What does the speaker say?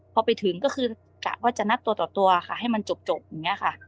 พอไปถึงก็คือกะว่าจะนัดตัวต่อตัวค่ะให้มันจบอย่างนี้ค่ะ